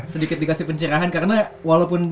sedikit dikasih pencerahan karena walaupun